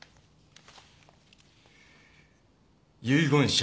「遺言者